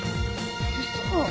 嘘。